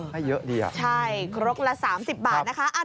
ให้เยอะดีอ่ะใช่ครบละสามสิบบาทนะคะอ่า